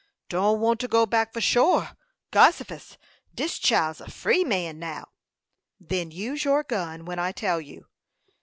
"Don't want to go back, for shore. Gossifus! Dis chile's a free man now." "Then use your gun when I tell you."